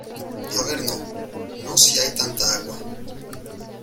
a ver no, no si hay tanta agua ;